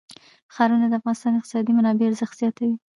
ښارونه د افغانستان د اقتصادي منابعو ارزښت زیاتوي.